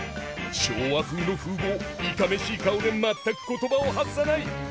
昭和風の風貌いかめしい顔で全く言葉を発さない。